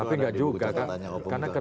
tapi nggak juga karena kerjaan